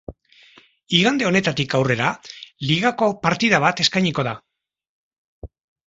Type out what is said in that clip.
Igande honetatik aurrera ligako partida bat eskainiko da.